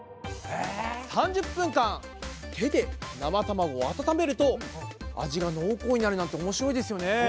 ３０分間手で生卵を温めると味が濃厚になるなんておもしろいですよね。